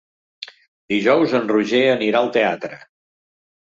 Dijous en Roger anirà al teatre.